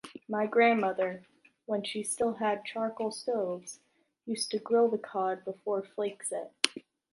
My grandmother, when she still had charcoal stoves, used to grilled the cod before flakes it.